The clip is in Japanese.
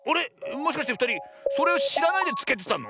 もしかしてふたりそれをしらないでつけてたの？